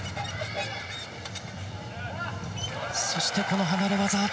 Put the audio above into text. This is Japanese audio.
そしてこの離れ技。